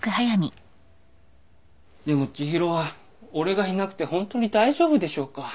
でも知博は俺がいなくてホントに大丈夫でしょうか？